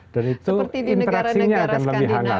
dan itu interaksinya akan lebih hangat